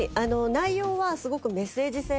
内容はすごくメッセージ性が強くて。